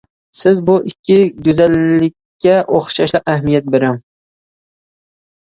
سىز بۇ ئىككى گۈزەللىككە ئوخشاشلا ئەھمىيەت بېرىڭ.